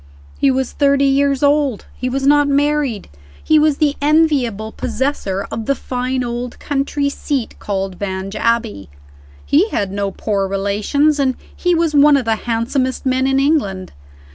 He was thirty years old; he was not married; he was the enviable possessor of the fine old country seat, called Vange Abbey; he had no poor relations; and he was one of the handsomest men in England.